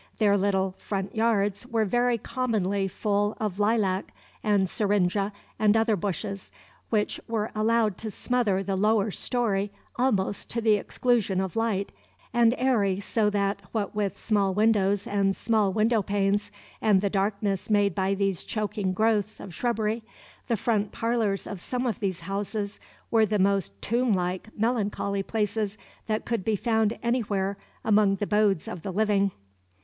Their little front yards were very commonly full of lilac and syringa and other bushes, which were allowed to smother the lower story almost to the exclusion of light and airy so that, what with small windows and small windowpanes, and the darkness made by these choking growths of shrubbery, the front parlors of some of these houses were the most tomb like, melancholy places that could be found anywhere among the abodes of the living.